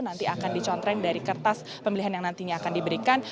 nanti akan dicontreng dari kertas pemilihan yang nantinya akan diberikan